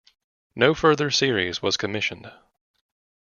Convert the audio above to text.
No further series was commissioned.